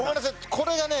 これがね